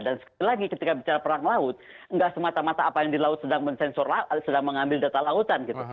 dan lagi ketika bicara perang laut nggak semata mata apa yang di laut sedang mengambil data lautan